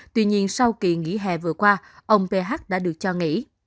tuy nhiên sau kỳ nghỉ hè vừa qua ông ph đã được cho nghỉ